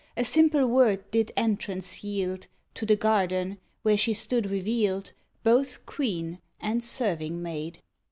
A simple word did entrance yield To the garden where she stood revealed Both queen and serving maid!